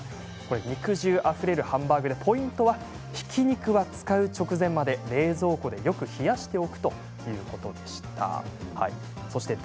肉汁あふれるハンバーグでポイントは、ひき肉は使う直前まで冷蔵庫で、よく冷やしておくということでした。